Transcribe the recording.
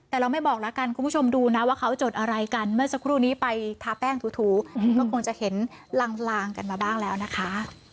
แต่เราไม่บอกแล้วกันคุณผู้ชมดูนะว่าเขาจดอะไรกันเมื่อสักครู่นี้ไปทาแป้งถูก็คงจะเห็นลางกันมาบ้างแล้วนะคะ